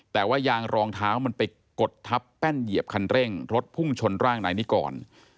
แต่ว่ายางรองเท้ามันไปกดทับแป้นเหยียบคันเร่งรถพุ่งชนร่างนายนิกร